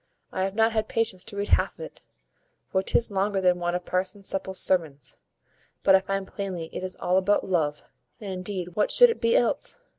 I have not had patience to read half o't, for 'tis longer than one of parson Supple's sermons; but I find plainly it is all about love; and indeed what should it be else?